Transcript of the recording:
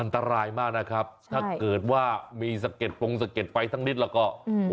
อันตรายมากนะครับถ้าเกิดว่ามีสะเด็ดฟงสะเก็ดไฟทั้งนิดแล้วก็